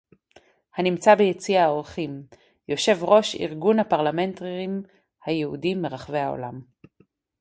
הנמצא ביציע האורחים; יושב-ראש ארגון הפרלמנטרים היהודים מרחבי העולם